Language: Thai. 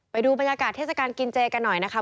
ไปดูบรรยากาศเทศกาลกินเจกันหน่อยนะคะ